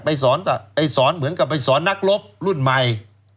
สอนเหมือนกับไปสอนนักรบรุ่นใหม่